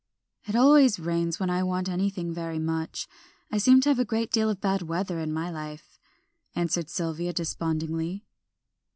"It always rains when I want anything very much. I seem to have a great deal of bad weather in my life," answered Sylvia, despondingly.